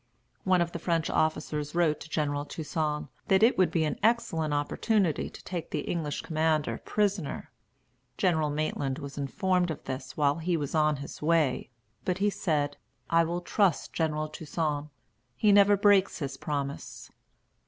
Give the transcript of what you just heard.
One of the French officers wrote to General Toussaint that it would be an excellent opportunity to take the English commander prisoner. General Maitland was informed of this while he was on his way; but he said, "I will trust General Toussaint. He never breaks his promise."